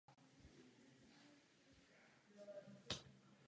Na místě byly tehdy objeveny zbytky staveb z byzantského období.